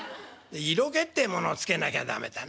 色気ってものをつけなきゃ駄目だな。